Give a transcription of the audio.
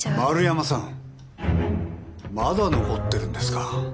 丸山さんまだ残ってるんですか？